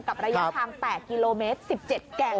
ระยะทาง๘กิโลเมตร๑๗แก่ง